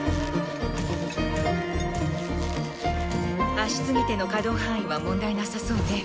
足継手の可動範囲は問題なさそうね。